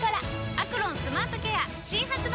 「アクロンスマートケア」新発売！